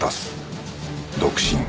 独身。